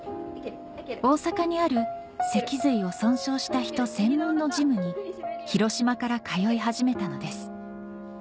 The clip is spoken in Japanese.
大阪にある脊髄を損傷した人専門のジムに広島から通い始めたのです